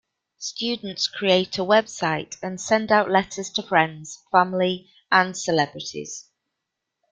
Students created a website and sent out letters to friends, family and celebrities.